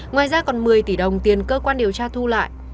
ngoài ra còn một mươi tỷ đồng tiền cơ quan điều tra thu lại